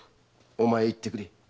お前行ってくれ。